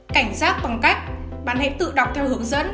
cảnh giác bằng cách bạn hãy tự đọc theo hướng dẫn